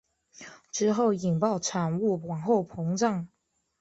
之后引爆产物往后膨胀。